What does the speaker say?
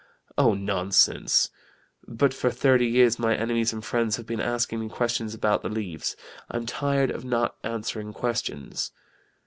'Oh, nonsense! But for thirty years my enemies and friends have been asking me questions about the Leaves: I'm tired of not answering questions.'